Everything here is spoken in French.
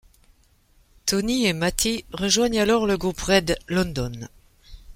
Tony et Matty rejoignent alors le groupe Red London.